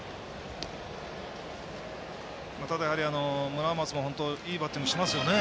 ただ、村松も本当にいいバッティングしますね。